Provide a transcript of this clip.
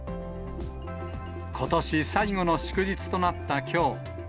ことし最後の祝日となったきょう。